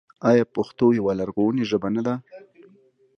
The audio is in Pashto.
آیا پښتو یوه لرغونې ژبه نه ده؟